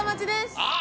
あっ！